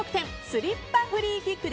スリッパフリーキック！！